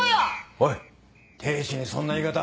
おい亭主にそんな言い方あるか。